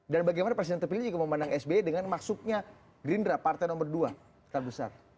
dan bagaimana presiden terpilih juga memandang sbi dengan maksudnya gerindra partai nomor dua terbesar